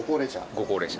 ご高齢者。